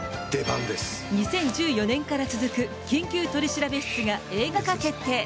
２０１４年から続く「緊急取調室」が映画化決定。